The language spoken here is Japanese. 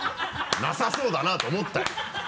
なさそうだなと思ったよ。